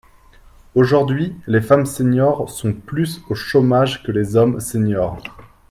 Aujourd’hui, les femmes seniors sont plus au chômage que les hommes seniors.